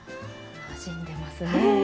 なじんでますね。